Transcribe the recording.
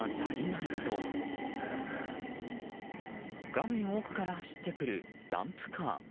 画面奥から走ってくるダンプカー。